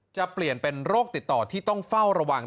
จะเปลี่ยนเป็นโรคติดต่อที่ต้องเฝ้าระวัง